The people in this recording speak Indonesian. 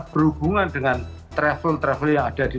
berhubungan dengan travel travel yang ada di